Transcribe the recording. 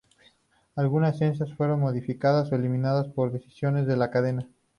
Algunas escenas fueron modificadas o eliminadas por decisiones de la cadena.